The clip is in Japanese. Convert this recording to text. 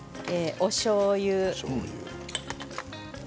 おしょうゆ。